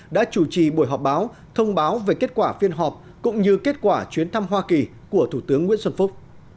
đã chủ trì buổi họp báo thông báo về kết quả phiên họp cũng như kết quả chuyến thăm hoa kỳ của thủ tướng nguyễn xuân phúc